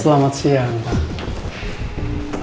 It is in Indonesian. selamat siang pak